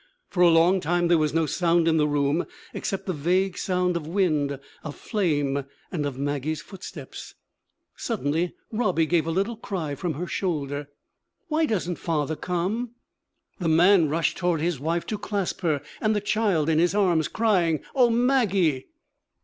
For a long time there was no sound in the room except the vague sound of wind, of flame, and of Maggie's footsteps. Suddenly Robbie gave a little cry from her shoulder. 'Why doesn't father come?' The man rushed toward his wife to clasp her and the child in his arms, crying, 'O Maggie!'